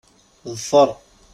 Ḍfeṛ!